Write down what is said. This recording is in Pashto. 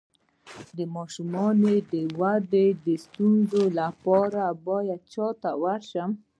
د ماشوم د ودې د ستونزې لپاره باید چا ته لاړ شم؟